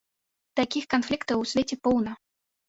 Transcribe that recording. Такіх канфліктаў у свеце поўна!